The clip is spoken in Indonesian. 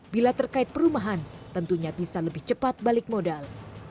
bila terkait perumahan tentunya bisa lebih cepat balik modal